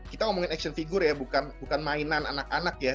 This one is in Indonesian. kita ngomongin action figure ya bukan mainan anak anak ya